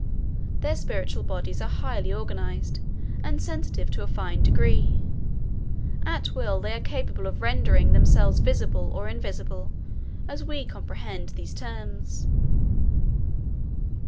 Their spiritual bodies are highly organized and sensitive to a fine degree. At will they are capable of rendering themselves visible or invisible, as we comprehend these terms.